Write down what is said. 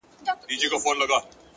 • دادی ټکنده غرمه ورباندي راغله؛